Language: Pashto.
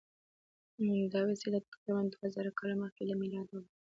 دا وسیله تقریبآ دوه زره کاله مخکې له میلاده وه.